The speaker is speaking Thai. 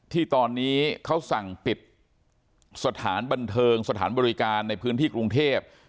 ที่ตอนนี้เขาสั่งปิดสถานบันเทิงสถานบริการในพื้นที่กรุงเทพ